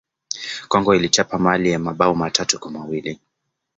congo iliichapa Mali mabao matatu kwa mawili